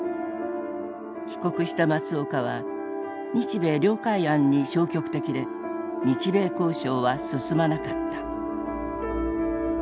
帰国した松岡は日米諒解案に消極的で日米交渉は進まなかった。